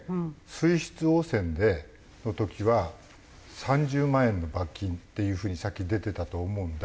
水質汚染の時は３０万円の罰金っていう風にさっき出てたと思うんだ。